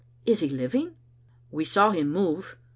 " Is he living?" " We saw him move.